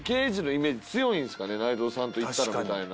内藤さんといったらみたいな。